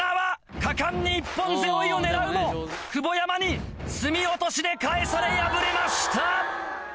果敢に一本背負を狙うも久保山に隅落で返され敗れました！